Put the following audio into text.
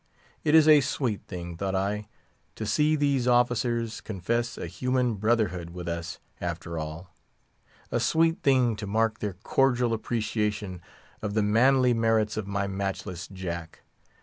It is a sweet thing, thought I, to see these officers confess a human brotherhood with us, after all; a sweet thing to mark their cordial appreciation of the manly merits of my matchless Jack.